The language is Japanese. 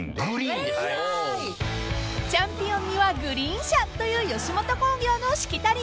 ［「チャンピオンにはグリーン車」という吉本興業のしきたり］